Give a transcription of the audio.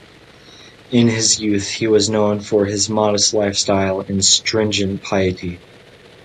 In his youth he was known for his modest lifestyle and stringent piety.